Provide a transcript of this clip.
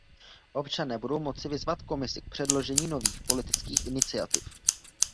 Občané budou moci vyzvat Komisi k předložení nových politických iniciativ.